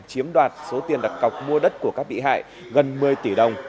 chiếm đoạt số tiền đặt cọc mua đất của các bị hại gần một mươi tỷ đồng